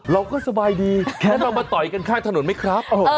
เราก็สบายดีแค้นเรามาต่อยกันข้างถนนไหมครับ